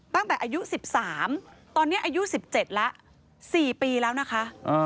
ตั้งแต่อายุ๑๓ตอนนี้อายุ๑๗แล้ว๔ปีแล้วนะคะ